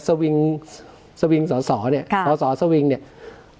สวิงสวิงสสเนี่ยค่ะสสสวิงเนี่ย